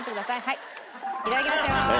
はいいただきますよ。